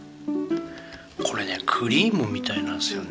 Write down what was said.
これねクリームみたいなんですよね。